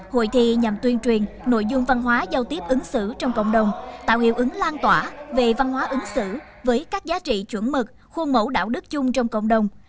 hội thi nhằm tuyên truyền nội dung văn hóa giao tiếp ứng xử trong cộng đồng tạo hiệu ứng lan tỏa về văn hóa ứng xử với các giá trị chuẩn mực khuôn mẫu đạo đức chung trong cộng đồng